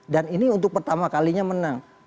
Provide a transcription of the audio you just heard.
dan ini untuk pertama kalinya menang